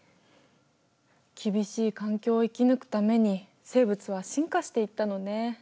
厳しい環境を生き抜くために生物は進化していったのね。